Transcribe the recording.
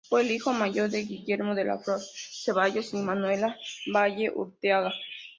Fue el hijo mayor de Guillermo de la Flor Zevallos y Manuela Valle Urteaga.